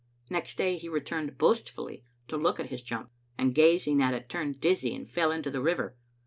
Next day he returned boastfully to look at his jump, and gazing at it turned dizzy and fell into the river.